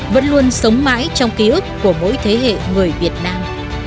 vẫn luôn sống mãi trong ký ức của mỗi thế hệ người việt nam